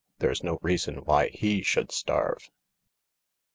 There's no reason why he should starve."